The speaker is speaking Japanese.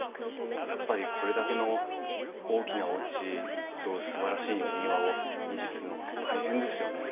やっぱりこれだけの大きなおうちとすばらしいお庭を維持するのって大変ですよね。